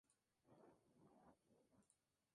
Keita Saito